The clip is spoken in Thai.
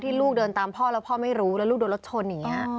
ลูกเดินตามพ่อแล้วพ่อไม่รู้แล้วลูกโดนรถชนอย่างนี้